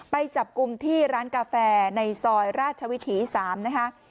ไปจับกลุ่มที่ร้านกาแฟในซอยราชวิถี๓นะคะ